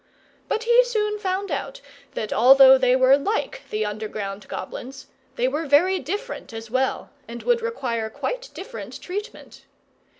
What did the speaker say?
But he soon found out that although they were like the underground goblins, they were very different as well, and would require quite different treatment.